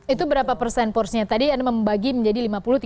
itu berapa persen porsinya tadi anda membagi menjadi lima puluh tiga puluh dua puluh